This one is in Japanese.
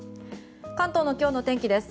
関東の今日のお天気です。